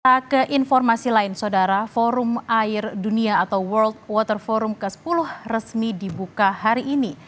kita ke informasi lain saudara forum air dunia atau world water forum ke sepuluh resmi dibuka hari ini